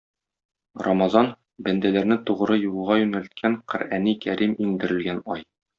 Рамазан - бәндәләрне тугры юлга юнәлткән Коръәни Кәрим иңдерелгән ай.